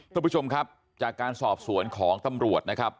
ทุกผู้ชมครับจากการสอบสวนของตำรวจนะครับ